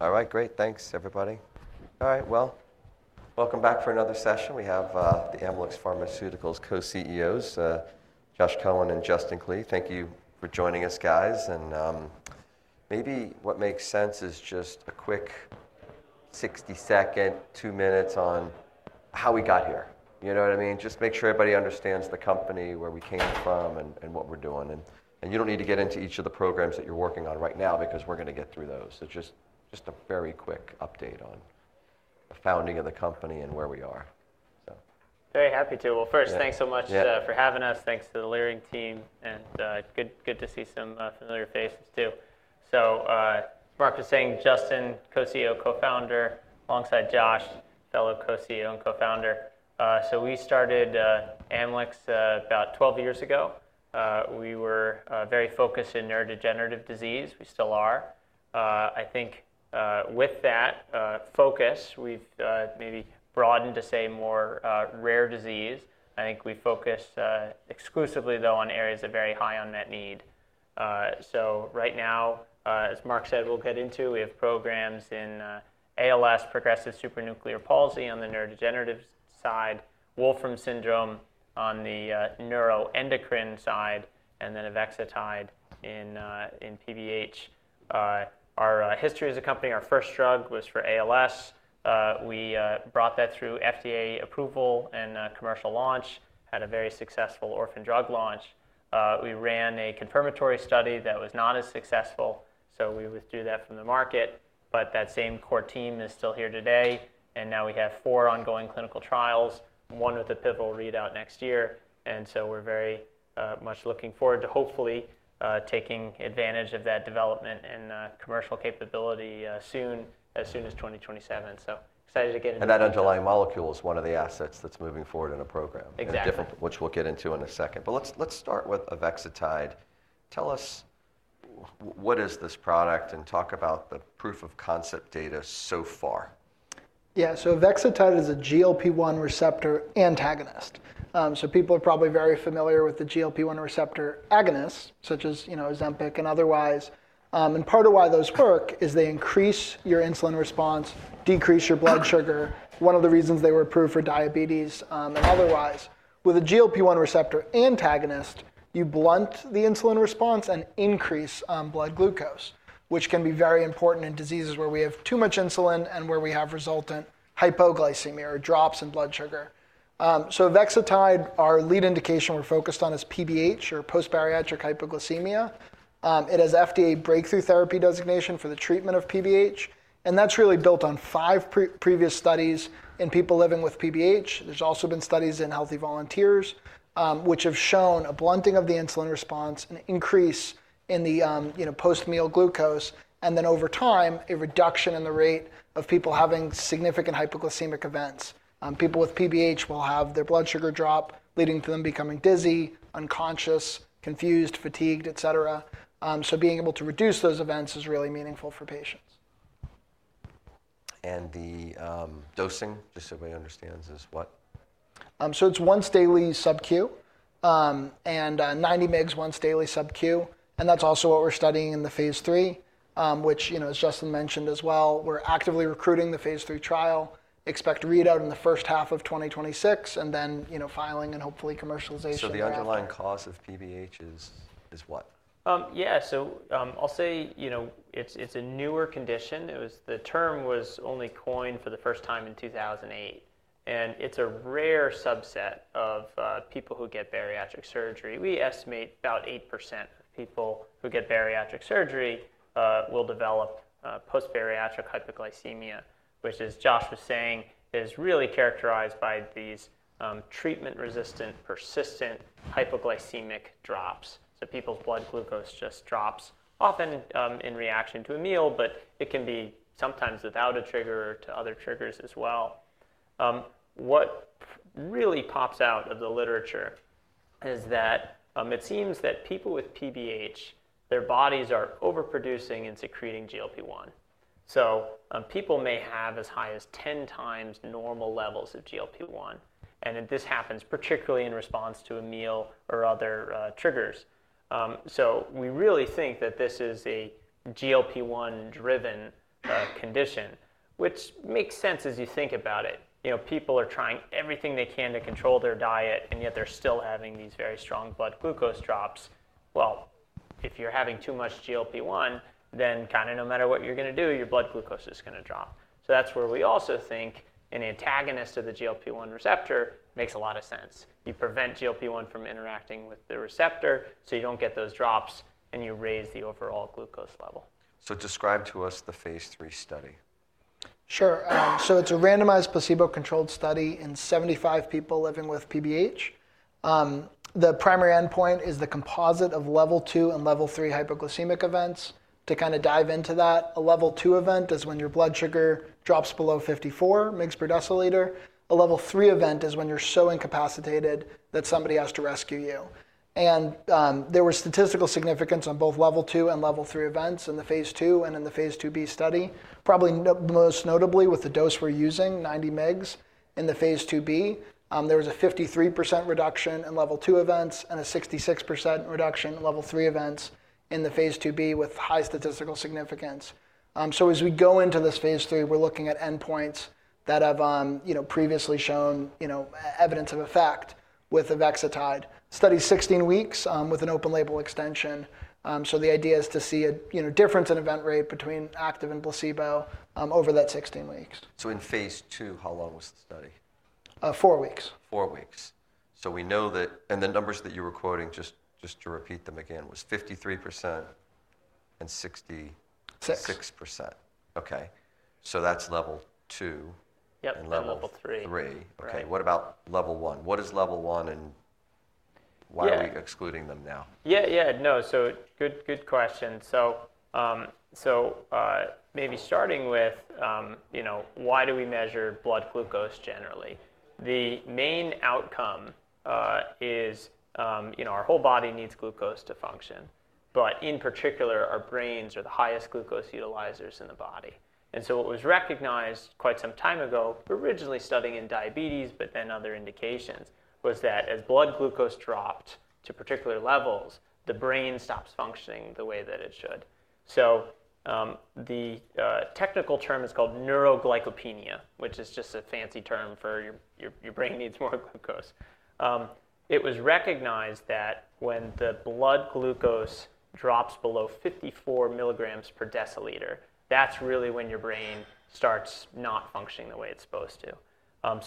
All right, great. Thanks, everybody. All right, welcome back for another session. We have the Amylyx Pharmaceuticals Co-CEOs, Josh Cohen and Justin Klee. Thank you for joining us, guys. Maybe what makes sense is just a quick 60-second, two minutes on how we got here. You know what I mean? Just make sure everybody understands the company, where we came from, and what we're doing. You don't need to get into each of the programs that you're working on right now because we're going to get through those. It's just a very quick update on the founding of the company and where we are. Very happy to. First, thanks so much for having us. Thanks to the Leerink team. Good to see some familiar faces, too. As Marc was saying, Justin, Co-CEO, Co-founder, alongside Josh, fellow Co-CEO and Co-founder. We started Amylyx about 12 years ago. We were very focused in neurodegenerative disease. We still are. I think with that focus, we've maybe broadened to say more rare disease. I think we focused exclusively, though, on areas of very high unmet need. Right now, as Marc said, we'll get into, we have programs in ALS, progressive supranuclear palsy on the neurodegenerative side, Wolfram syndrome on the neuroendocrine side, and then Avexitide in PBH. Our history as a company, our first drug was for ALS. We brought that through FDA approval and commercial launch, had a very successful orphan drug launch. We ran a confirmatory study that was not as successful, so we withdrew that from the market. That same core team is still here today. We have four ongoing clinical trials, one with a pivotal readout next year. We are very much looking forward to hopefully taking advantage of that development and commercial capability soon, as soon as 2027. Excited to get into that. That underlying molecule is one of the assets that's moving forward in a program. Exactly. Which we'll get into in a second. Let's start with Avexitide. Tell us what is this product and talk about the proof of concept data so far. Yeah, so Avexitide is a GLP-1 receptor antagonist. People are probably very familiar with the GLP-1 receptor agonists, such as Ozempic and otherwise. Part of why those work is they increase your insulin response, decrease your blood sugar. One of the reasons they were approved for diabetes and otherwise. With a GLP-1 receptor antagonist, you blunt the insulin response and increase blood glucose, which can be very important in diseases where we have too much insulin and where we have resultant hypoglycemia or drops in blood sugar. Avexitide, our lead indication we're focused on is PBH or post-bariatric hypoglycemia. It has FDA Breakthrough Therapy Designation for the treatment of PBH. That's really built on five previous studies in people living with PBH. have also been studies in healthy volunteers, which have shown a blunting of the insulin response, an increase in the post-meal glucose, and then over time, a reduction in the rate of people having significant hypoglycemic events. People with PBH will have their blood sugar drop, leading to them becoming dizzy, unconscious, confused, fatigued, et cetera. Being able to reduce those events is really meaningful for patients. The dosing, just so everybody understands, is what? It is once daily sub-Q and 90 mg once daily sub-Q. That is also what we are studying in the phase III, which, as Justin mentioned as well, we are actively recruiting the phase III trial, expect a readout in the first half of 2026, and then filing and hopefully commercialization. The underlying cause of PBH is what? Yeah, I'll say it's a newer condition. The term was only coined for the first time in 2008. It's a rare subset of people who get bariatric surgery. We estimate about 8% of people who get bariatric surgery will develop post-bariatric hypoglycemia, which, as Josh was saying, is really characterized by these treatment-resistant, persistent hypoglycemic drops. People's blood glucose just drops, often in reaction to a meal, but it can be sometimes without a trigger or to other triggers as well. What really pops out of the literature is that it seems that people with PBH, their bodies are overproducing and secreting GLP-1. People may have as high as 10 times normal levels of GLP-1. This happens particularly in response to a meal or other triggers. We really think that this is a GLP-1-driven condition, which makes sense as you think about it. People are trying everything they can to control their diet, and yet they're still having these very strong blood glucose drops. If you're having too much GLP-1, then kind of no matter what you're going to do, your blood glucose is going to drop. That is where we also think an antagonist of the GLP-1 receptor makes a lot of sense. You prevent GLP-1 from interacting with the receptor, so you don't get those drops, and you raise the overall glucose level. Describe to us the phase III study. Sure. It's a randomized placebo-controlled study in 75 people living with PBH. The primary endpoint is the composite of level two and level three hypoglycemic events. To kind of dive into that, a level two event is when your blood sugar drops below 54 mg/dL. A level three event is when you're so incapacitated that somebody has to rescue you. There was statistical significance on both level two and level three events in the phase II and in the phase IIb study. Probably most notably with the dose we're using, 90 mg in the phase IIb, there was a 53% reduction in level two events and a 66% reduction in level three events in the phase IIb with high statistical significance. As we go into this phase III, we're looking at endpoints that have previously shown evidence of effect with Avexitide. Study 16 weeks with an open label extension. The idea is to see a difference in event rate between active and placebo over that 16 weeks. In phase II, how long was the study? Four weeks. Four weeks. We know that, and the numbers that you were quoting, just to repeat them again, was 53% and 66%. Six. Okay. So that's level two and level three. Yep, level three. Okay. What about level one? What is level one and why are we excluding them now? Yeah, yeah. No, so good question. Maybe starting with why do we measure blood glucose generally? The main outcome is our whole body needs glucose to function. In particular, our brains are the highest glucose utilizers in the body. What was recognized quite some time ago, originally studying in diabetes, but then other indications, was that as blood glucose dropped to particular levels, the brain stops functioning the way that it should. The technical term is called neuroglycopenia, which is just a fancy term for your brain needs more glucose. It was recognized that when the blood glucose drops below 54 mg/dL, that's really when your brain starts not functioning the way it's supposed to.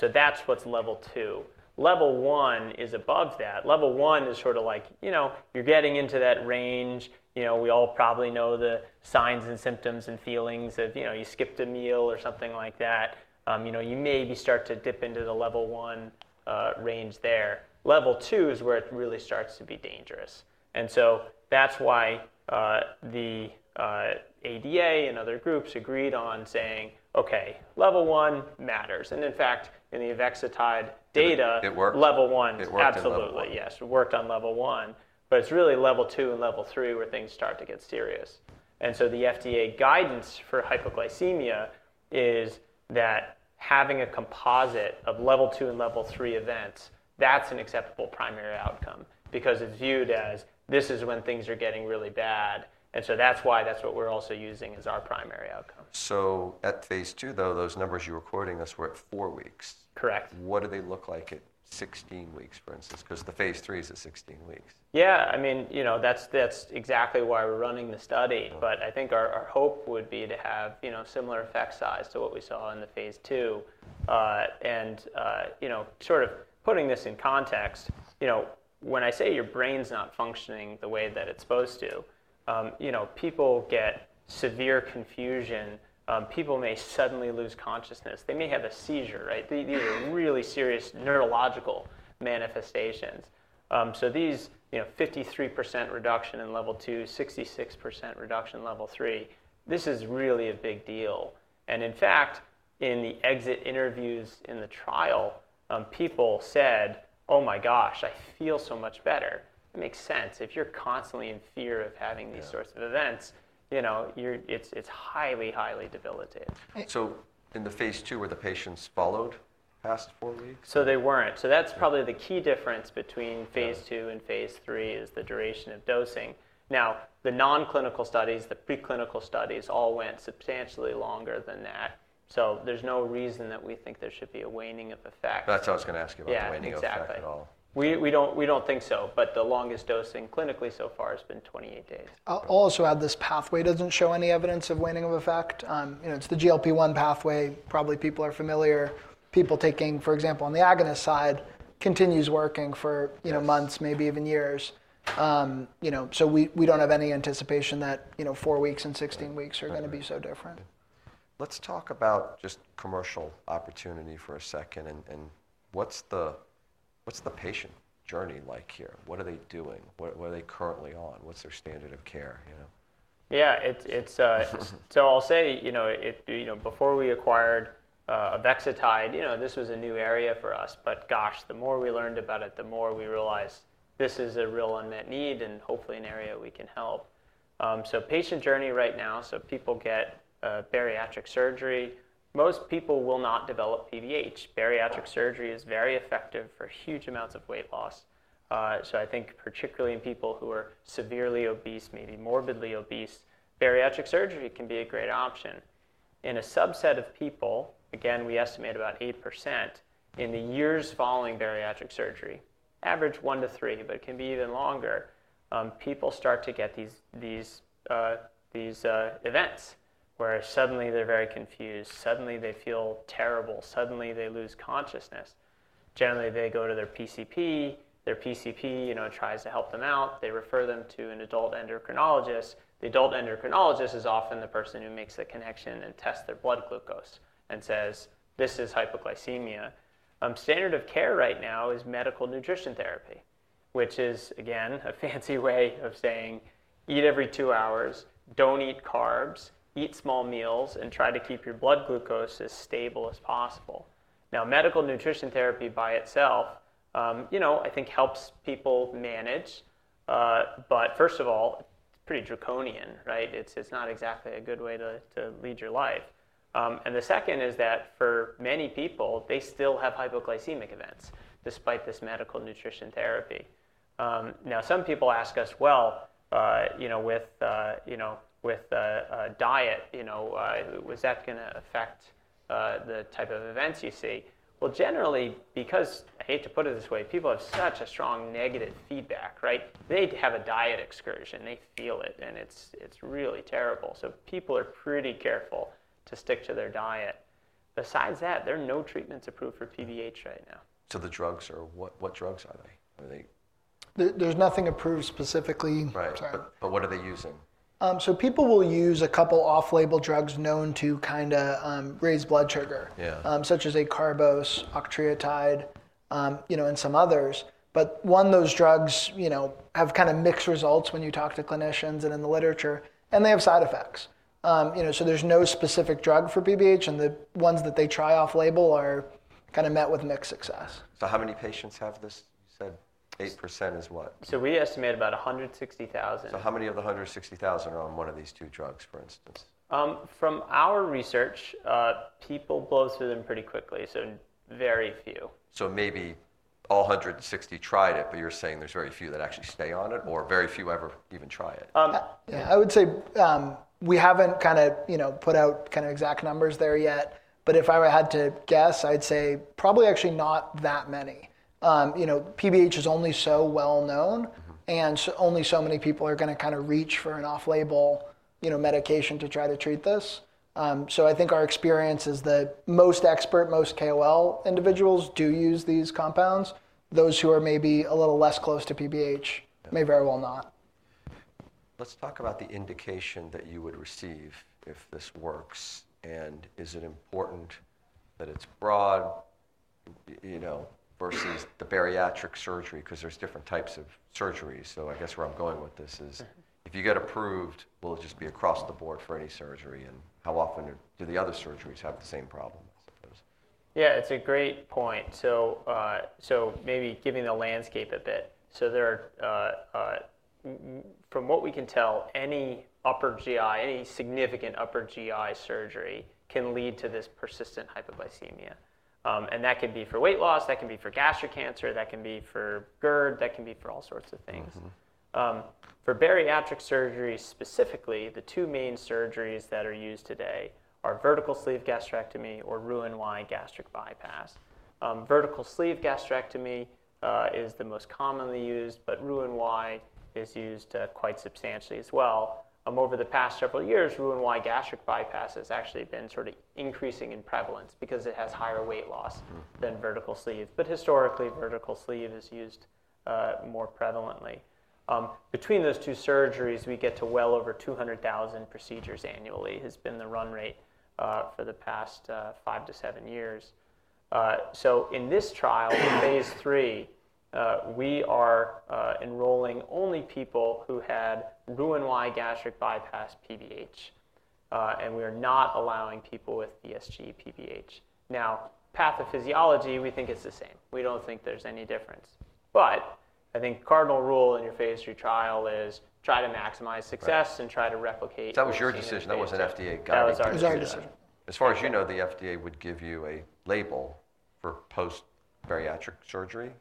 That's what's level two. Level one is above that. Level one is sort of like, you know, you're getting into that range. We all probably know the signs and symptoms and feelings of you skipped a meal or something like that. You maybe start to dip into the level one range there. Level two is where it really starts to be dangerous. That is why the ADA and other groups agreed on saying, okay, level one matters. In fact, in the Avexitide data. It worked. Level one. It worked on level 1. Absolutely, yes. It worked on level one. It is really level two and level three where things start to get serious. The FDA guidance for hypoglycemia is that having a composite of level two and level three events, that's an acceptable primary outcome because it is viewed as this is when things are getting really bad. That is why that is what we're also using as our primary outcome. At phase II, though, those numbers you were quoting us were at four weeks. Correct. What do they look like at 16 weeks, for instance? Because the phase III is at 16 weeks. Yeah, I mean, that's exactly why we're running the study. I think our hope would be to have similar effect size to what we saw in the phase II. Sort of putting this in context, when I say your brain's not functioning the way that it's supposed to, people get severe confusion. People may suddenly lose consciousness. They may have a seizure, right? These are really serious neurological manifestations. These 53% reduction in level two, 66% reduction in level three, this is really a big deal. In fact, in the exit interviews in the trial, people said, "Oh my gosh, I feel so much better." It makes sense. If you're constantly in fear of having these sorts of events, it's highly, highly debilitating. In the phase II, were the patients followed past four weeks? They weren't. That's probably the key difference between phase II and phase III, the duration of dosing. Now, the nonclinical studies, the preclinical studies all went substantially longer than that. There's no reason that we think there should be a waning of effect. That's what I was going to ask you about, the waning of effect at all. Yeah, exactly. We don't think so. The longest dosing clinically so far has been 28 days. I'll also add this pathway doesn't show any evidence of waning of effect. It's the GLP-1 pathway. Probably people are familiar. People taking, for example, on the agonist side continues working for months, maybe even years. We don't have any anticipation that four weeks and 16 weeks are going to be so different. Let's talk about just commercial opportunity for a second. What's the patient journey like here? What are they doing? What are they currently on? What's their standard of care? Yeah. I'll say before we acquired Avexitide, this was a new area for us. Gosh, the more we learned about it, the more we realized this is a real unmet need and hopefully an area we can help. Patient journey right now, people get bariatric surgery. Most people will not develop PBH. Bariatric surgery is very effective for huge amounts of weight loss. I think particularly in people who are severely obese, maybe morbidly obese, bariatric surgery can be a great option. In a subset of people, we estimate about 8%, in the years following bariatric surgery, average one to three, but it can be even longer, people start to get these events where suddenly they're very confused, suddenly they feel terrible, suddenly they lose consciousness. Generally, they go to their PCP. Their PCP tries to help them out. They refer them to an adult endocrinologist. The adult endocrinologist is often the person who makes the connection and tests their blood glucose and says, "This is hypoglycemia." Standard of care right now is medical nutrition therapy, which is, again, a fancy way of saying, "Eat every two hours, don't eat carbs, eat small meals, and try to keep your blood glucose as stable as possible." Now, medical nutrition therapy by itself, I think, helps people manage. First of all, it's pretty draconian, right? It's not exactly a good way to lead your life. The second is that for many people, they still have hypoglycemic events despite this medical nutrition therapy. Now, some people ask us, "Well, with a diet, was that going to affect the type of events you see?" Well, generally, because I hate to put it this way, people have such a strong negative feedback, right? They have a diet excursion. They feel it, and it's really terrible. So people are pretty careful to stick to their diet. Besides that, there are no treatments approved for PBH right now. The drugs are, what drugs are they? Are they? There's nothing approved specifically. Right. What are they using? People will use a couple off-label drugs known to kind of raise blood sugar, such as acarbose, octreotide, and some others. One, those drugs have kind of mixed results when you talk to clinicians and in the literature, and they have side effects. There is no specific drug for PBH, and the ones that they try off-label are kind of met with mixed success. How many patients have this? You said 8% is what? We estimate about 160,000. How many of the 160,000 are on one of these two drugs, for instance? From our research, people blow through them pretty quickly. Very few. Maybe all 160 tried it, but you're saying there's very few that actually stay on it or very few ever even try it? Yeah, I would say we haven't kind of put out kind of exact numbers there yet. If I had to guess, I'd say probably actually not that many. PBH is only so well known, and only so many people are going to kind of reach for an off-label medication to try to treat this. I think our experience is that most expert, most KOL individuals do use these compounds. Those who are maybe a little less close to PBH may very well not. Let's talk about the indication that you would receive if this works. Is it important that it's broad versus the bariatric surgery? Because there's different types of surgery. I guess where I'm going with this is if you get approved, will it just be across the board for any surgery? How often do the other surgeries have the same problems? Yeah, it's a great point. Maybe giving the landscape a bit. From what we can tell, any upper GI, any significant upper GI surgery can lead to this persistent hypoglycemia. That can be for weight loss. That can be for gastric cancer. That can be for GERD. That can be for all sorts of things. For bariatric surgery specifically, the two main surgeries that are used today are vertical sleeve gastrectomy or Roux-en-Y gastric bypass. Vertical sleeve gastrectomy is the most commonly used, but Roux-en-Y is used quite substantially as well. Over the past several years, Roux-en-Y gastric bypass has actually been sort of increasing in prevalence because it has higher weight loss than vertical sleeve. Historically, vertical sleeve is used more prevalently. Between those two surgeries, we get to well over 200,000 procedures annually has been the run rate for the past five to seven years. In this trial, phase III, we are enrolling only people who had Roux-en-Y gastric bypass PBH, and we are not allowing people with ESG PBH. Now, pathophysiology, we think it's the same. We don't think there's any difference. I think cardinal rule in your phase III trial is try to maximize success and try to replicate. That was your decision. That wasn't FDA guidance. That was our decision. As far as you know, the FDA would give you a label for post-bariatric surgery.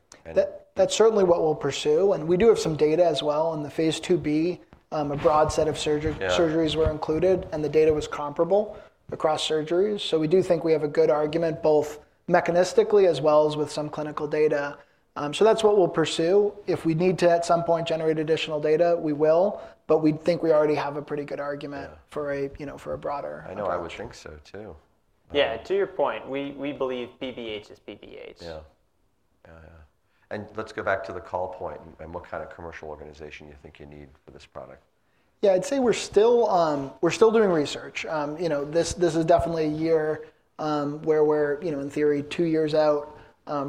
That's certainly what we'll pursue. We do have some data as well in the phase IIb. A broad set of surgeries were included, and the data was comparable across surgeries. We do think we have a good argument both mechanistically as well as with some clinical data. That's what we'll pursue. If we need to at some point generate additional data, we will. We think we already have a pretty good argument for a broader approach. I know, I would think so too. Yeah, to your point, we believe PBH is PBH. Yeah. Yeah, yeah. Let's go back to the call point and what kind of commercial organization you think you need for this product. Yeah, I'd say we're still doing research. This is definitely a year where we're, in theory, two years out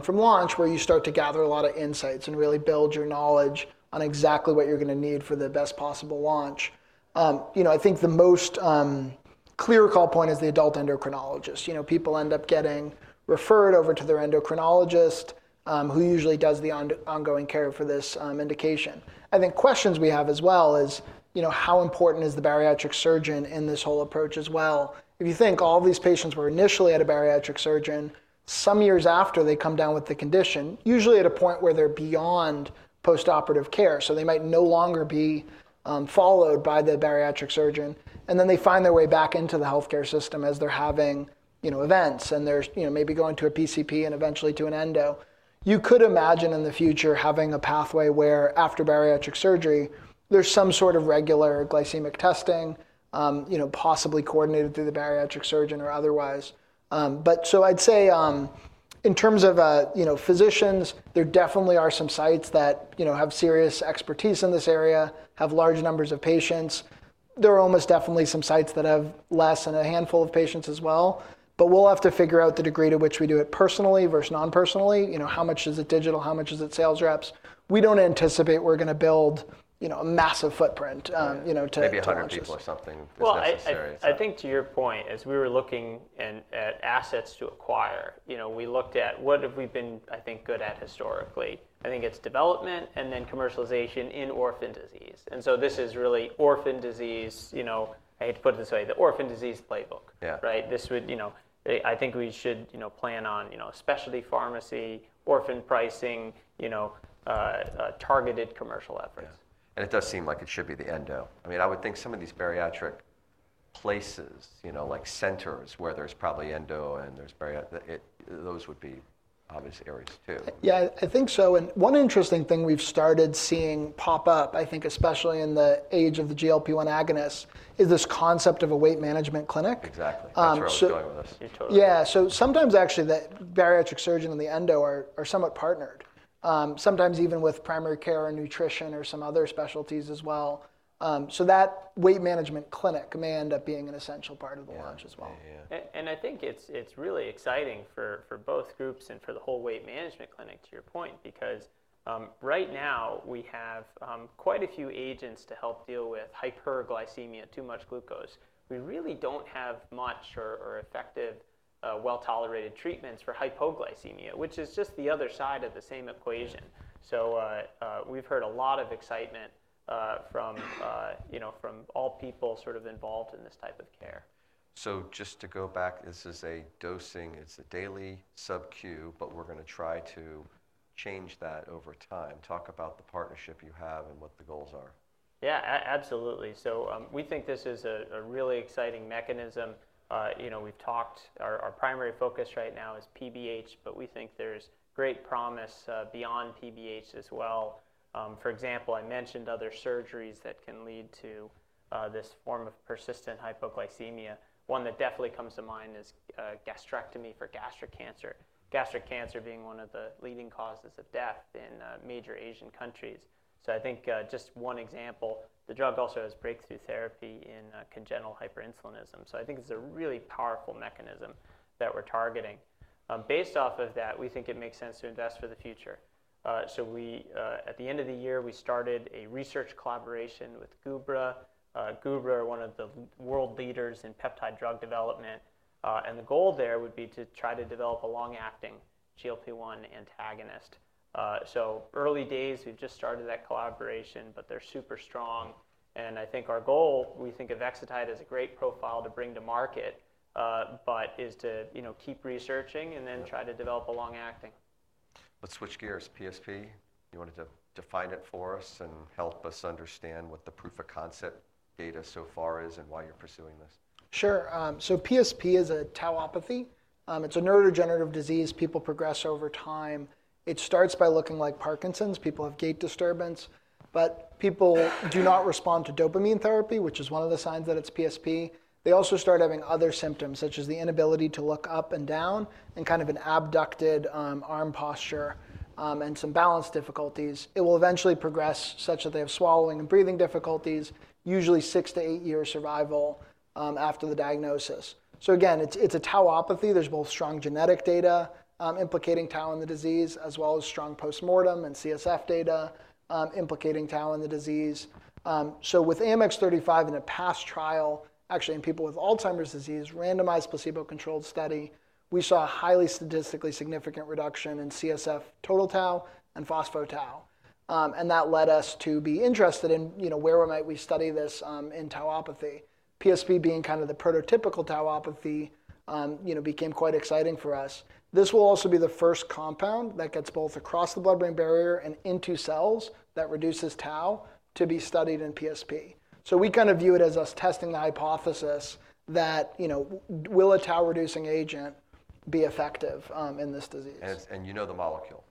from launch where you start to gather a lot of insights and really build your knowledge on exactly what you're going to need for the best possible launch. I think the most clear call point is the adult endocrinologist. People end up getting referred over to their endocrinologist, who usually does the ongoing care for this indication. I think questions we have as well is how important is the bariatric surgeon in this whole approach as well? If you think all of these patients were initially at a bariatric surgeon, some years after they come down with the condition, usually at a point where they're beyond postoperative care. They might no longer be followed by the bariatric surgeon. They find their way back into the healthcare system as they're having events and maybe going to a PCP and eventually to an endo. You could imagine in the future having a pathway where after bariatric surgery, there's some sort of regular glycemic testing, possibly coordinated through the bariatric surgeon or otherwise. I'd say in terms of physicians, there definitely are some sites that have serious expertise in this area, have large numbers of patients. There are almost definitely some sites that have less than a handful of patients as well. We'll have to figure out the degree to which we do it personally versus non-personally. How much is it digital? How much is it sales reps? We don't anticipate we're going to build a massive footprint to. Maybe 100 people or something. I think to your point, as we were looking at assets to acquire, we looked at what have we been, I think, good at historically. I think it's development and then commercialization in orphan disease. And so this is really orphan disease. I hate to put it this way, the orphan disease playbook, right? I think we should plan on specialty pharmacy, orphan pricing, targeted commercial efforts. Yeah. It does seem like it should be the endo. I mean, I would think some of these bariatric places, like centers where there's probably endo and there's bariatric, those would be obvious areas too. Yeah, I think so. One interesting thing we've started seeing pop up, I think especially in the age of the GLP-1 agonist, is this concept of a weight management clinic. Exactly. That's what you're dealing with. Yeah. Sometimes actually the bariatric surgeon and the endo are somewhat partnered, sometimes even with primary care or nutrition or some other specialties as well. That weight management clinic may end up being an essential part of the launch as well. I think it's really exciting for both groups and for the whole weight management clinic to your point, because right now we have quite a few agents to help deal with hyperglycemia, too much glucose. We really don't have much or effective, well-tolerated treatments for hypoglycemia, which is just the other side of the same equation. We've heard a lot of excitement from all people sort of involved in this type of care. Just to go back, this is a dosing. It's a daily sub-Q, but we're going to try to change that over time. Talk about the partnership you have and what the goals are. Yeah, absolutely. We think this is a really exciting mechanism. We've talked our primary focus right now is PBH, but we think there's great promise beyond PBH as well. For example, I mentioned other surgeries that can lead to this form of persistent hypoglycemia. One that definitely comes to mind is gastrectomy for gastric cancer, gastric cancer being one of the leading causes of death in major Asian countries. I think just one example, the drug also has breakthrough therapy in congenital hyperinsulinism. I think it's a really powerful mechanism that we're targeting. Based off of that, we think it makes sense to invest for the future. At the end of the year, we started a research collaboration with Gubra. Gubra are one of the world leaders in peptide drug development. The goal there would be to try to develop a long-acting GLP-1 antagonist. Early days, we've just started that collaboration, but they're super strong. I think our goal, we think of Avexitide as a great profile to bring to market, is to keep researching and then try to develop a long-acting. Let's switch gears. PSP, you wanted to define it for us and help us understand what the proof of concept data so far is and why you're pursuing this. Sure. PSP is a tauopathy. It's a neurodegenerative disease. People progress over time. It starts by looking like Parkinson's. People have gait disturbance, but people do not respond to dopamine therapy, which is one of the signs that it's PSP. They also start having other symptoms, such as the inability to look up and down and kind of an abducted arm posture and some balance difficulties. It will eventually progress such that they have swallowing and breathing difficulties, usually six to eight year survival after the diagnosis. It's a tauopathy. There's both strong genetic data implicating tau in the disease as well as strong postmortem and CSF data implicating tau in the disease. With AMX0035 in a past trial, actually in people with Alzheimer's disease, randomized placebo-controlled study, we saw a highly statistically significant reduction in CSF total tau and phospho-tau. That led us to be interested in where might we study this in tauopathy. PSP being kind of the prototypical tauopathy became quite exciting for us. This will also be the first compound that gets both across the blood-brain barrier and into cells that reduces tau to be studied in PSP. We kind of view it as us testing the hypothesis that will a tau-reducing agent be effective in this disease? You know the molecule.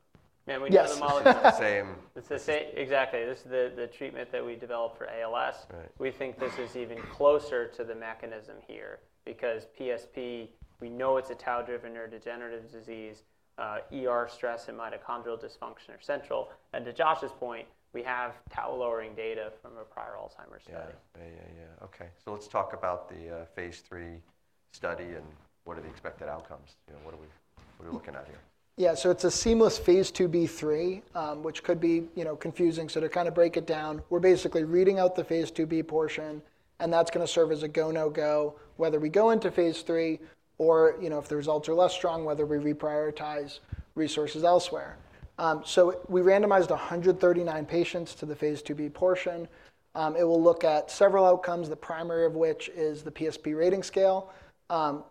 Yeah. It's the same. Exactly. This is the treatment that we developed for ALS. We think this is even closer to the mechanism here because PSP, we know it's a tau-driven neurodegenerative disease. Stress and mitochondrial dysfunction are central. To Josh's point, we have tau-lowering data from a prior Alzheimer's study. Yeah, yeah, yeah. Okay. Let's talk about the phase III study and what are the expected outcomes. What are we looking at here? Yeah. It is a seamless phase IIb/III, which could be confusing. To kind of break it down, we're basically reading out the phase IIb portion, and that's going to serve as a go, no go, whether we go into phase III or if the results are less strong, whether we reprioritize resources elsewhere. We randomized 139 patients to the phase IIb portion. It will look at several outcomes, the primary of which is the PSP Rating Scale.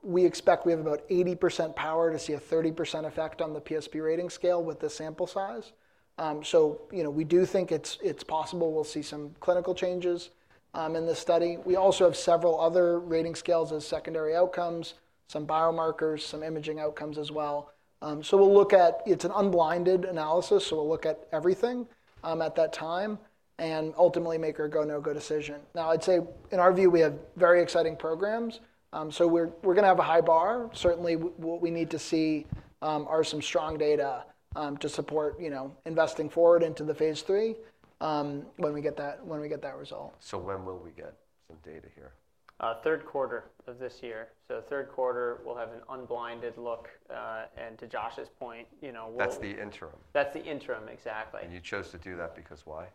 We expect we have about 80% power to see a 30% effect on the PSP Rating Scale with the sample size. We do think it is possible we'll see some clinical changes in this study. We also have several other rating scales as secondary outcomes, some biomarkers, some imaging outcomes as well. We will look at it. It is an unblinded analysis. We will look at everything at that time and ultimately make our go, no go decision. Now, I'd say in our view, we have very exciting programs. We are going to have a high bar. Certainly, what we need to see are some strong data to support investing forward into the phase III when we get that result. When will we get some data here? Third quarter of this year. Third quarter, we'll have an unblinded look. And to Josh's point. That's the interim. That's the interim, exactly. You chose to do that because why?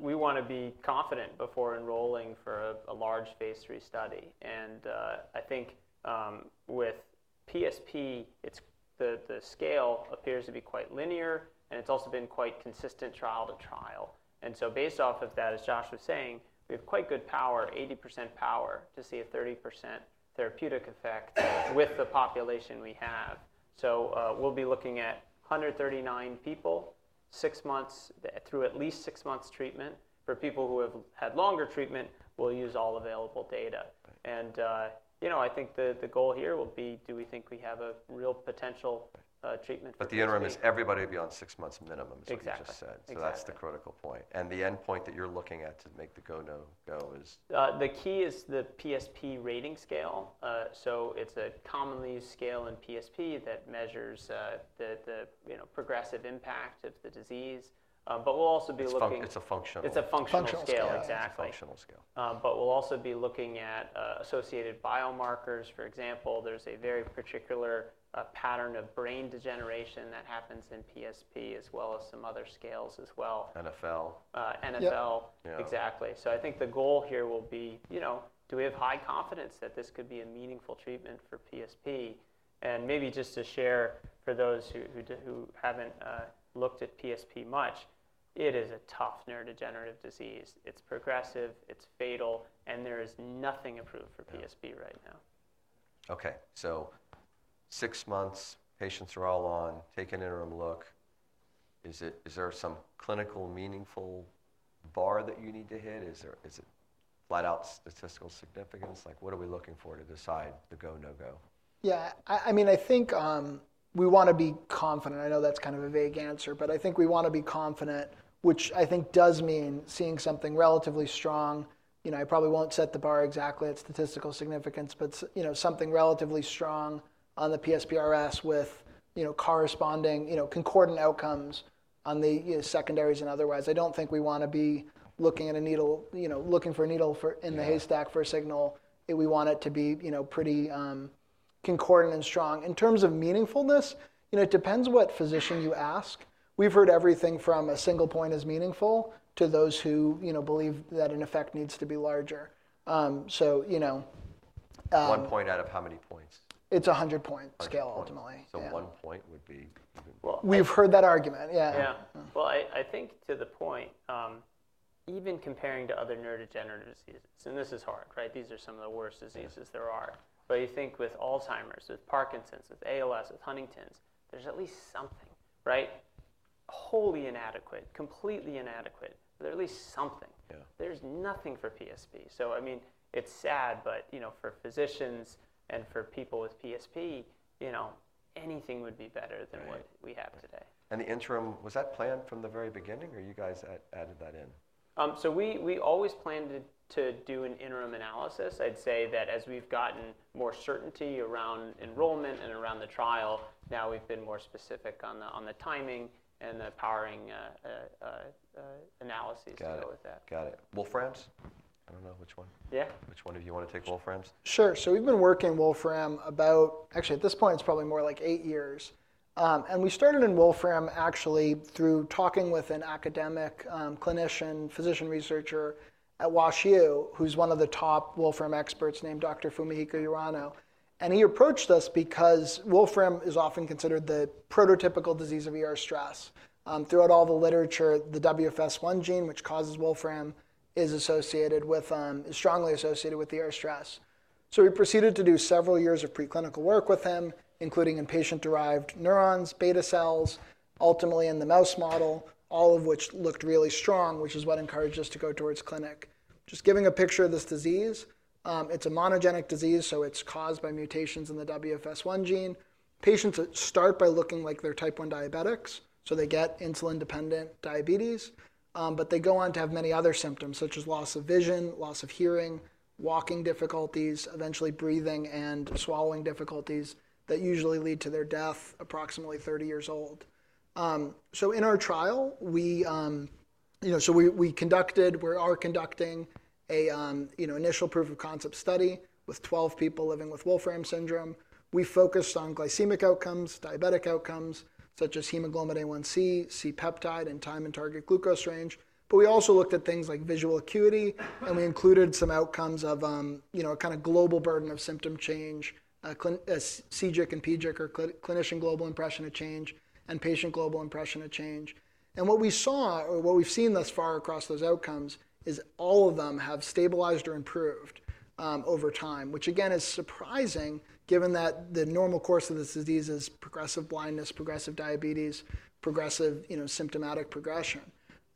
We want to be confident before enrolling for a large phase III study. I think with PSP, the scale appears to be quite linear, and it's also been quite consistent trial to trial. Based off of that, as Josh was saying, we have quite good power, 80% power to see a 30% therapeutic effect with the population we have. We'll be looking at 139 people, six months through at least six months treatment. For people who have had longer treatment, we'll use all available data. I think the goal here will be, do we think we have a real potential treatment? The interim is everybody beyond six months minimum, is what you just said. Exactly. That's the critical point. The endpoint that you're looking at to make the go, no go is. The key is the PSP Rating Scale. It is a commonly used scale in PSP that measures the progressive impact of the disease. We will also be looking. It's a functional. It's a functional scale, exactly. Functional scale. We will also be looking at associated biomarkers. For example, there's a very particular pattern of brain degeneration that happens in PSP as well as some other scales as well. NFL. NFL, exactly. I think the goal here will be, do we have high confidence that this could be a meaningful treatment for PSP? Maybe just to share for those who haven't looked at PSP much, it is a tough neurodegenerative disease. It's progressive, it's fatal, and there is nothing approved for PSP right now. Okay. Six months, patients are all on, take an interim look. Is there some clinical meaningful bar that you need to hit? Is it flat-out statistical significance? What are we looking for to decide the go, no go? Yeah. I mean, I think we want to be confident. I know that's kind of a vague answer, but I think we want to be confident, which I think does mean seeing something relatively strong. I probably won't set the bar exactly at statistical significance, but something relatively strong on the PSPRS with corresponding concordant outcomes on the secondaries and otherwise. I don't think we want to be looking for a needle in the haystack for a signal. We want it to be pretty concordant and strong. In terms of meaningfulness, it depends what physician you ask. We've heard everything from a single point is meaningful to those who believe that an effect needs to be larger. One point out of how many points? It's 100 points. Scale, ultimately. Okay. One point would be. We've heard that argument, yeah. Yeah. I think to the point, even comparing to other neurodegenerative diseases, and this is hard, right? These are some of the worst diseases there are. You think with Alzheimer's, with Parkinson's, with ALS, with Huntington's, there's at least something, right? Wholly inadequate, completely inadequate. There's at least something. There's nothing for PSP. I mean, it's sad, but for physicians and for people with PSP, anything would be better than what we have today. Was that planned from the very beginning or you guys added that in? We always planned to do an interim analysis. I'd say that as we've gotten more certainty around enrollment and around the trial, now we've been more specific on the timing and the powering analyses to go with that. Got it. Got it. Wolfram's? I don't know which one. Yeah. Which one of you want to take Wolfram? Sure. We've been working in Wolfram about, actually at this point, it's probably more like eight years. We started in Wolfram actually through talking with an academic clinician, physician researcher at Washington University, who's one of the top Wolfram experts named Dr. Fumihiko Urano. He approached us because Wolfram is often considered the prototypical disease of stress. Throughout all the literature, the WFS1 gene, which causes Wolfram, is strongly associated with stress. We proceeded to do several years of preclinical work with him, including in patient-derived neurons, beta cells, ultimately in the mouse model, all of which looked really strong, which is what encouraged us to go towards clinic. Just giving a picture of this disease, it's a monogenic disease, so it's caused by mutations in the WFS1 gene. Patients start by looking like they're type 1 diabetics, so they get insulin-dependent diabetes, but they go on to have many other symptoms such as loss of vision, loss of hearing, walking difficulties, eventually breathing and swallowing difficulties that usually lead to their death approximately 30 years old. In our trial, we are conducting an initial proof of concept study with 12 people living with Wolfram syndrome. We focused on glycemic outcomes, diabetic outcomes such as hemoglobin A1c, C-peptide, and time in target glucose range. We also looked at things like visual acuity, and we included some outcomes of a kind of global burden of symptom change, CGIC and PGIC or clinician global impression of change and patient global impression of change. What we saw, or what we've seen thus far across those outcomes, is all of them have stabilized or improved over time, which again is surprising given that the normal course of this disease is progressive blindness, progressive diabetes, progressive symptomatic progression.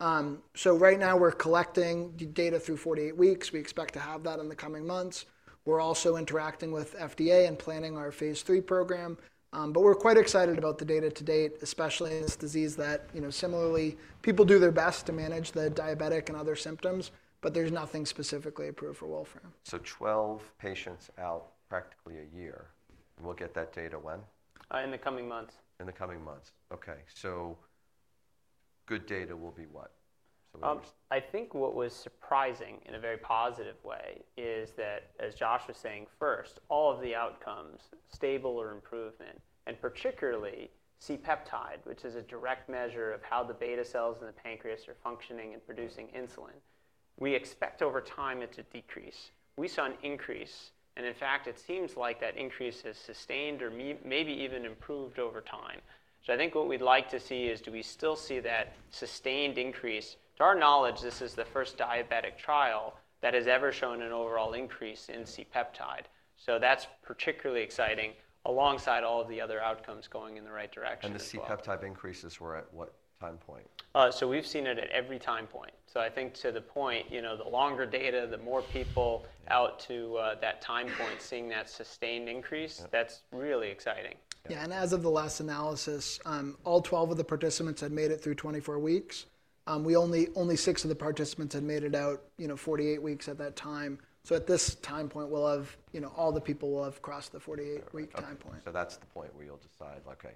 Right now we're collecting data through 48 weeks. We expect to have that in the coming months. We're also interacting with FDA and planning our phase III program. We're quite excited about the data to date, especially in this disease that similarly people do their best to manage the diabetic and other symptoms, but there's nothing specifically approved for Wolfram. Twelve patients out practically a year. And we'll get that data when? In the coming months. In the coming months. Okay. So good data will be what? I think what was surprising in a very positive way is that, as Josh was saying first, all of the outcomes, stable or improvement, and particularly C-peptide, which is a direct measure of how the beta cells in the pancreas are functioning and producing insulin, we expect over time it to decrease. We saw an increase, and in fact, it seems like that increase has sustained or maybe even improved over time. I think what we'd like to see is do we still see that sustained increase? To our knowledge, this is the first diabetic trial that has ever shown an overall increase in C-peptide. That's particularly exciting alongside all of the other outcomes going in the right direction. The C-peptide increases were at what time point? We've seen it at every time point. I think to the point, the longer data, the more people out to that time point seeing that sustained increase, that's really exciting. Yeah. As of the last analysis, all 12 of the participants had made it through 24 weeks. Only six of the participants had made it out 48 weeks at that time. At this time point, all the people will have crossed the 48-week time point. Okay. That's the point where you'll decide, okay,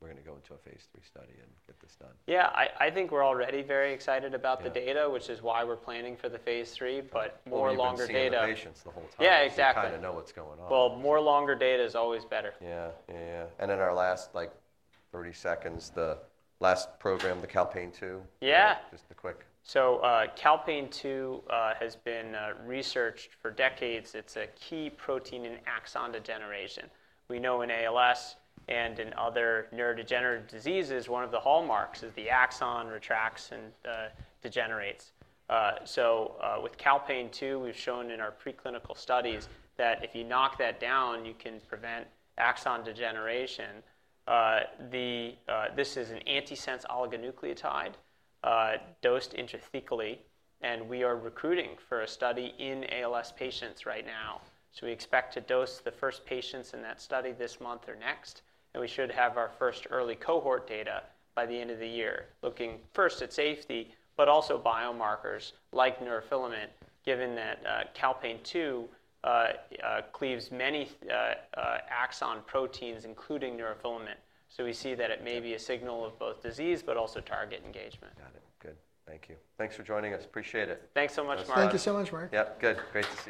we're going to go into a phase III study and get this done. Yeah. I think we're already very excited about the data, which is why we're planning for the phase III, but more longer data. We're seeing patients the whole time. Yeah, exactly. We kind of know what's going on. More longer data is always better. Yeah, yeah, yeah. In our last 30 seconds, the last program, the Calpain-2? Yeah. Just a quick. Calpain-2 has been researched for decades. It's a key protein in axon degeneration. We know in ALS and in other neurodegenerative diseases, one of the hallmarks is the axon retracts and degenerates. With Calpain-2, we've shown in our preclinical studies that if you knock that down, you can prevent axon degeneration. This is an antisense oligonucleotide dosed intrathecally, and we are recruiting for a study in ALS patients right now. We expect to dose the first patients in that study this month or next, and we should have our first early cohort data by the end of the year looking first at safety, but also biomarkers like neurofilament, given that Calpain-2 cleaves many axon proteins, including neurofilament. We see that it may be a signal of both disease, but also target engagement. Got it. Good. Thank you. Thanks for joining us. Appreciate it. Thanks so much, Marc. Thank you so much, Marc. Yep. Good. Great to see you.